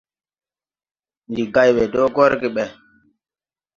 Ndi gay we dɔɔ gɔrge ɓɛ.